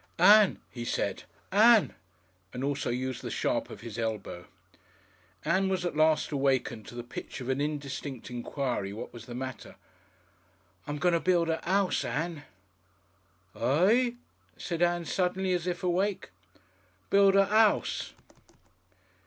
"Ann," he said, "Ann," and also used the sharp of his elbow. Ann was at last awakened to the pitch of an indistinct enquiry what was the matter. "I'm going to build a house, Ann." "Eh?" said Ann, suddenly, as if awake. "Build a house."